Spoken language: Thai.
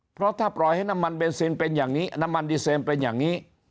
เพราะถ้าปล่อยให้น้ำมันดีเซอร์เป็นอย่างนี้